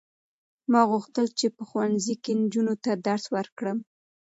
ما غوښتل چې په ښوونځي کې نجونو ته درس ورکړم.